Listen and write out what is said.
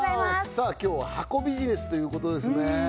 さあ今日は箱ビジネスということですね